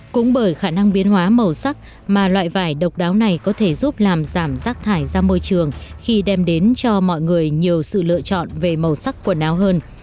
cũng bởi khả năng biến hóa màu sắc mà loại vải độc đáo này có thể giúp làm giảm rác thải ra môi trường khi đem đến cho mọi người nhiều sự lựa chọn về màu sắc quần áo hơn